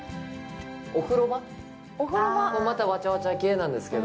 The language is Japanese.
お風呂場もまたわちゃわちゃ系なんですけど、